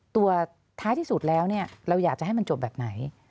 ตัวท้ายที่สุดแล้วเนี่ยเราอยากจะให้มันจบแบบไหน